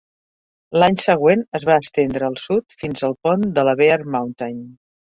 L'any següent es va estendre al sud fins al pont de la Bear Mountain.